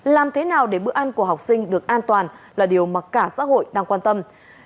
làm thế nào để bữa ăn của học sinh được an toàn là điều mà cả xã hội đang quan tâm